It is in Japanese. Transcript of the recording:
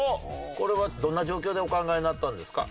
これはどんな状況でお考えになったんですか？